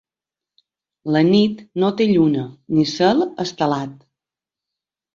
La nit no té lluna ni cel estelat.